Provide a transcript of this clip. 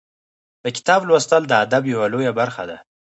د کتاب لوستل د ادب یوه لویه برخه ده.